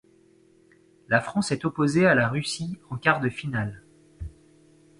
La France est opposée à la Russie en quart de finale.